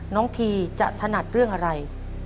ทีจะถนัดเรื่องอะไร